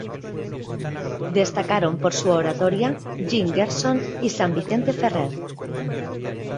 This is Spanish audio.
Destacaron por su oratoria Jean Gerson y San Vicente Ferrer.